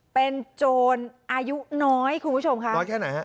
เป็นโจรอายุน้อยคุณผู้ชมค่ะน้อยแค่ไหนฮะ